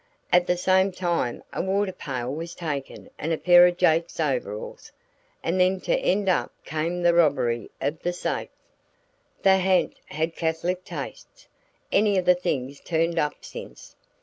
At the same time a water pail was taken and a pair of Jake's overalls. And then to end up came the robbery of the safe." "The ha'nt had catholic tastes. Any of the things turned up since?"